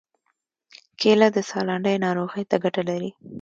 کېله د ساه لنډۍ ناروغۍ ته ګټه لري.